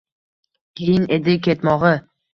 Qiyin edi ketmog’i.